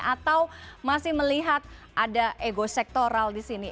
atau masih melihat ada ego sektoral di sini